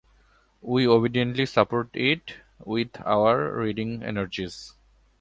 We obediently support it with our reading energies.